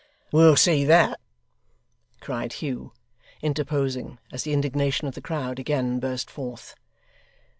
'We'll see that,' cried Hugh, interposing, as the indignation of the crowd again burst forth.